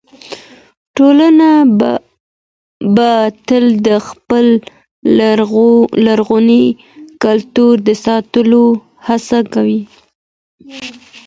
ټولنه به تل د خپل لرغوني کلتور د ساتلو هڅه کوي.